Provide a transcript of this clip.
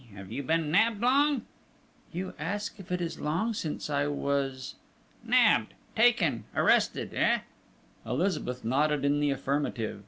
Have you been nabbed long?..." "You ask if it is long since I was...?" "Nabbed!... Taken!... Arrested!... Eh?" Elizabeth nodded in the affirmative.